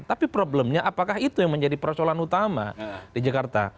tapi problemnya apakah itu yang menjadi persoalan utama di jakarta